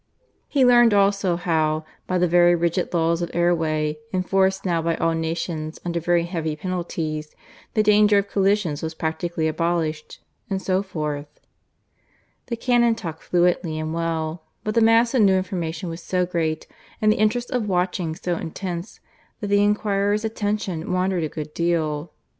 He learned also how, by the very rigid laws of air way, enforced now by all nations under very heavy penalties, the danger of collisions was practically abolished; and so forth. The canon talked fluently and well; but the mass of new information was so great, and the interest of watching so intense, that the enquirer's attention wandered a good deal.